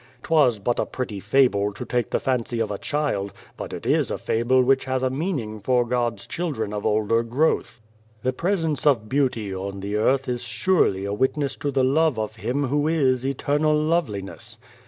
" 'Twas but a pretty fable to take the fancy of a child, but it is a fable which has a meaning for God's children of older growth. " The presence of beauty on the earth is surely a witness to the love of Him who is Eternal Loveliness.